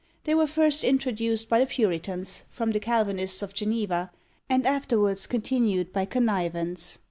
They were first introduced by the Puritans, from the Calvinists of Geneva, and afterwards continued by connivance.